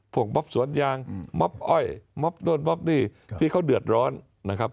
บ๊อบสวนยางม็อบอ้อยม็อบโน่นบ๊อบนี่ที่เขาเดือดร้อนนะครับ